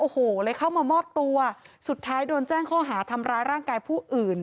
โอ้โหเลยเข้ามามอบตัวสุดท้ายโดนแจ้งข้อหาทำร้ายร่างกายผู้อื่น